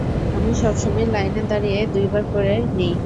আমি সবসময় লাইনে দাঁড়িয়ে দুইবার করে নিই।